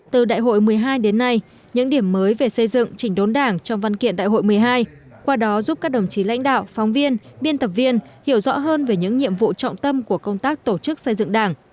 từ đại hội một mươi hai đến nay những điểm mới về xây dựng chỉnh đốn đảng trong văn kiện đại hội một mươi hai qua đó giúp các đồng chí lãnh đạo phóng viên biên tập viên hiểu rõ hơn về những nhiệm vụ trọng tâm của công tác tổ chức xây dựng đảng